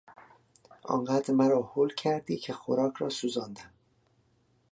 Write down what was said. آنقدر مرا هول کردی که خوراک را سوزاندم!